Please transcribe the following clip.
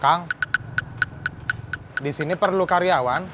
kang disini perlu karyawan